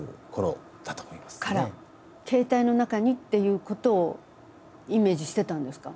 携帯の中にっていうことをイメージしてたんですか？